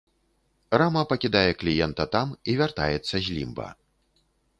Рама пакідае кліента там і вяртаецца з лімба.